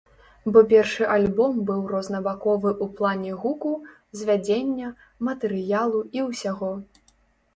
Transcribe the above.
Бо першы альбом быў рознабаковы ў плане гуку, звядзення, матэрыялу і ўсяго.